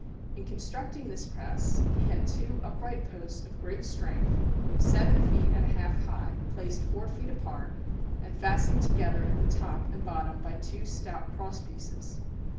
In constructing this press, he had two upright posts of great strength, seven feet and a half high, placed four feet apart, and fastened together at the top and bottom by two stout crosspieces.